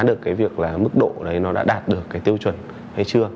được cái việc là mức độ đấy nó đã đạt được cái tiêu chuẩn hay chưa